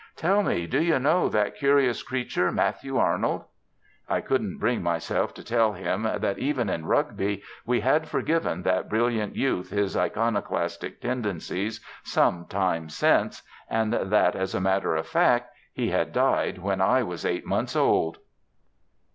"Tell me, do you know that curious creature, Matthew Arnold?" I couldn't bring myself to tell him that, even in Rugby, we had forgiven that brilliant youth his iconoclastic tendencies some time since, and that, as a matter of fact, he had died when I was eight months old.